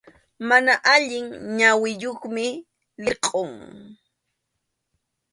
Mana allin ñawiyuqmi, lirqʼum.